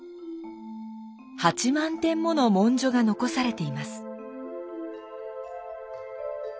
８万点もの文書が残されています。